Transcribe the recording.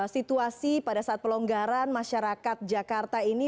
situasi pada saat pelonggaran masyarakat jakarta ini